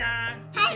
はい。